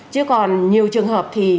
chứ còn nhiều trường hợp thì